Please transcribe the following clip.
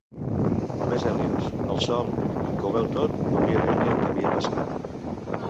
Només Hèlios, el Sol, que ho veu tot podria dir-li el que havia passat.